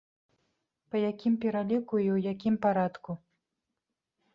Па якім пераліку і ў якім парадку?